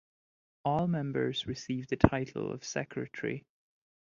All members receive the title of "Secretary".